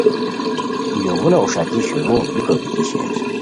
یومونو اوݰاکی شروع بیکو بیتی شیر